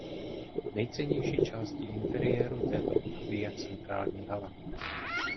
Nejcennější částí interiéru této budovy je centrální hala.